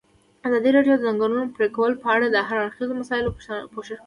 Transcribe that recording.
ازادي راډیو د د ځنګلونو پرېکول په اړه د هر اړخیزو مسایلو پوښښ کړی.